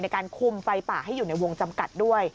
ในการคุมไฟป่าให้อยู่ในวงจำกัดด้วย